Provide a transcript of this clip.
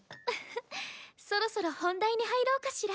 そろそろ本題に入ろうかしら。